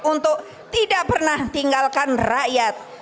untuk tidak pernah tinggalkan rakyat